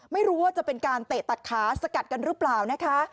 ไม่รู้ว่าจะเป็นการเตะตัดขาสกัดกันหรือเปล่านะคะ